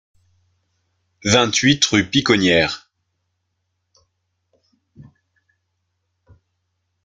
vingt-huit rue Piconnières